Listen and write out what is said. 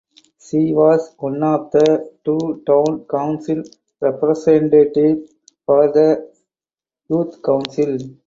She was one of the two town council representatives for the Youth Council.